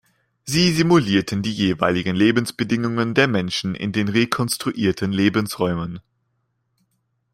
Sie simulierten die jeweiligen Lebensbedingungen der Menschen in den rekonstruierten Lebensräumen.